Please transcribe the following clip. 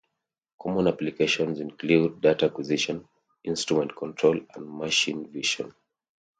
Common applications include data acquisition, instrument control and machine vision.